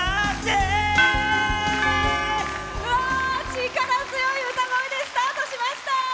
力強い歌声でスタートしました！